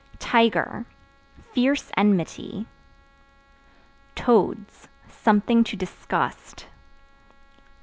Tiger Fierce enmity. Toads Something to disgust.